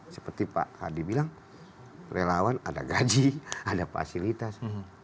seperti pak hadi bilang relawan ada gaji ada fasilitas